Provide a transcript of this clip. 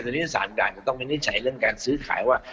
สถานการณ์จะต้องมีนิจฉัยเรื่องการซื้อขายว่า